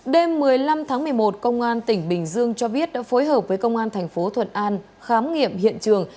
đêm một mươi năm tháng một mươi một công an tỉnh bình dương cho biết đã phối hợp với công an thành phố thuận an khám nghiệm hiện trường